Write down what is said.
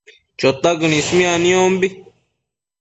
Chotaquën ismiac niombi